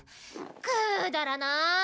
くだらない！